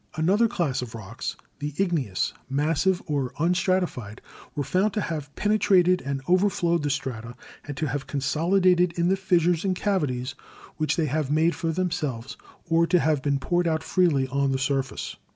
"Another class of rocks — the igneous, massive or un stratified — were found to have penetrated and overflowed the strata and to have consolidated in the fissures and cavities which they have made for themselves, or to have been poured out freely on the surface.